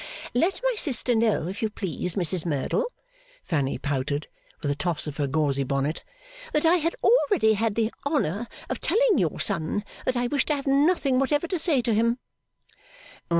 'Let my sister know, if you please, Mrs Merdle,' Fanny pouted, with a toss of her gauzy bonnet, 'that I had already had the honour of telling your son that I wished to have nothing whatever to say to him.